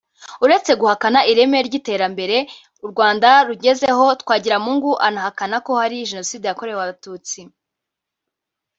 uretse guhakana ireme ry’iterambere u Rwanda rugezeho Twagiramungu anahakana ko hari jenoside yakorewe Abatutsi